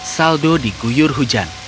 saldo diguyur hujan